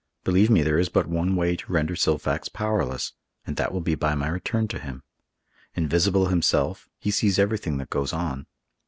Believe me, there is but one way to render Silfax powerless, and that will be by my return to him. Invisible himself, he sees everything that goes on.